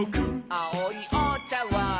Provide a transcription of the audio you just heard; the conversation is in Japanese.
「あおいおちゃわん」